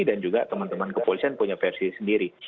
dan juga teman teman kepolisian punya versi sendiri